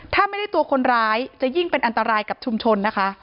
ถ้าไม่ได้ตัวคนร้ายจะยิ่งเป็นอันตรายกับชุมชนนะคะ